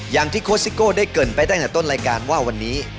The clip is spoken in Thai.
อย่างที่โค้ซิโก้ได้เกิดไปตั้งแต่ต้นรายการว่าวันนี้